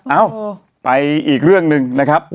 เอ้าไปอีกเรื่องหนึ่งนะครับ